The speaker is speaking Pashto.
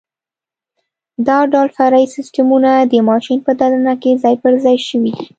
دا ټول فرعي سیسټمونه د ماشین په دننه کې ځای پرځای شوي دي.